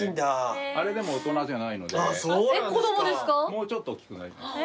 もうちょっと大きくなります。